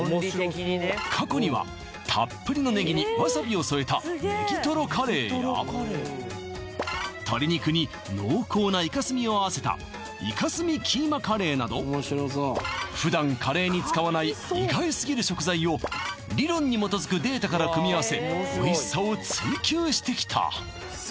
過去にはたっぷりのねぎにわさびを添えたネギトロカレーや鶏肉に濃厚なイカ墨をあわせたイカ墨キーマカレーなど普段カレーに使わない意外すぎる食材を理論に基づくデータから組み合わせおいしさを追求してきた